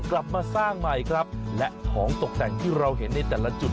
กลับมาสร้างใหม่ครับและของตกแต่งที่เราเห็นในแต่ละจุด